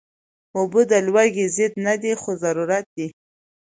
اوبه د لوږې ضد نه دي، خو ضرورت دي